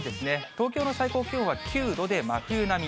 東京の最高気温は９度で真冬並み。